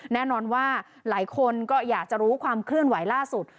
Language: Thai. แน่นอนว่าหลายคนก็อยากจะรู้ความเคลื่อนไหวล่าสุด